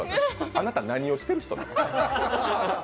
あなた、何をしている人なの？